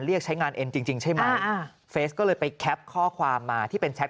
เรียกใช้งานเอ็นจริงจริงใช่ไหมอ่าเฟสก็เลยไปแคปข้อความมาที่เป็นแชท